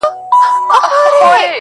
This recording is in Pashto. o په بازيو کي بنگړي ماتېږي.